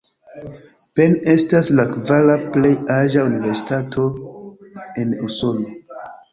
Penn estas la kvara plej aĝa universitato en Usono.